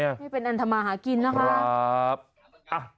ให้เป็นอันธรรมาหากินนะคะพร้อม